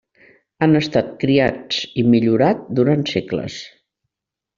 Han estat criats i millorat durant segles.